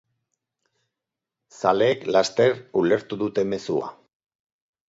Zaleek laster ulertu dute mezua.